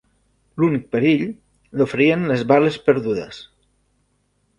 L'únic perill, l'oferien les bales perdudes